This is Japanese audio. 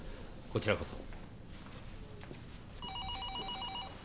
こちらこそ。